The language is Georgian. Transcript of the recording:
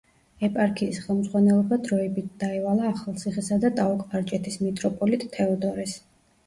ეპარქიის ხელმძღვანელობა დროებით დაევალა ახალციხისა და ტაო-კლარჯეთის მიტროპოლიტ თეოდორეს.